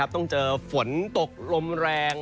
ต้องเจอฝนตกลมแรง